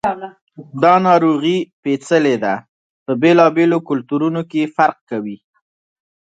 دا ناروغي پیچلي ده، په بېلابېلو کلتورونو کې فرق کوي.